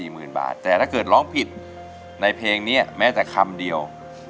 หมื่นบาทแต่ถ้าเกิดร้องผิดในเพลงนี้แม้แต่คำเดียว